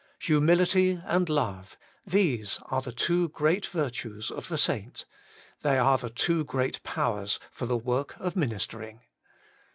Humility and Love — these are the two great virtues of the saint — they are the two great powers for the work of ministering.